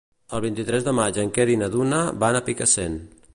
El vint-i-tres de maig en Quer i na Duna van a Picassent.